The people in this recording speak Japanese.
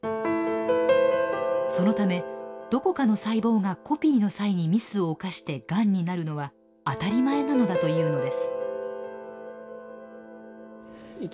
そのためどこかの細胞がコピーの際にミスを犯してがんになるのは当たり前なのだというのです。